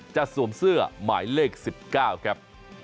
สวมเสื้อหมายเลข๑๙ครับ